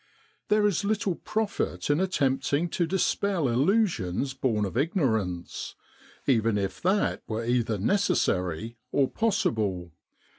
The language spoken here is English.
There is little profit in attempting to dispel illusions born of ignorance, even if that were either necessary or possible.